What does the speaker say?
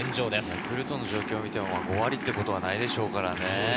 ヤクルトという現状を見ても５割ということはないでしょうね。